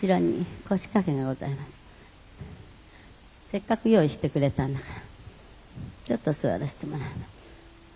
せっかく用意してくれたんだからちょっと座らせてもらうわ。